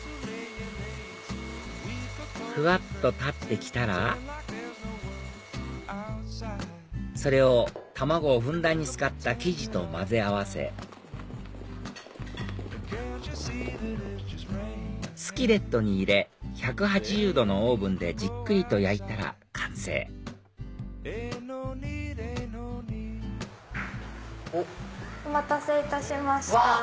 ふわっと立って来たらそれを卵をふんだんに使った生地と混ぜ合わせスキレットに入れ１８０℃のオーブンでじっくりと焼いたら完成お待たせいたしました。